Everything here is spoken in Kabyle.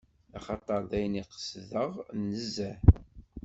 Axaṭer d ayen iqedsen nezzeh.